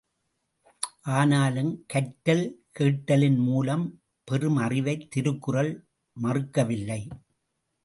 ஆனாலும், கற்றல் கேட்டலின் மூலம் பெறும் அறிவைத் திருக்குறள் மறுக்கவில்லை.